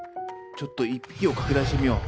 ちょっと１匹を拡大してみよう。